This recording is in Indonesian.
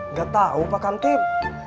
gak tau pak kantip